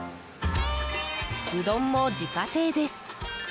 うどんも自家製です。